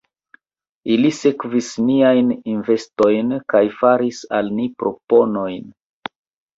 Ili sekvis niajn investojn kaj faris al ni proponojn.